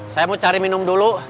saya mau cari minum dulu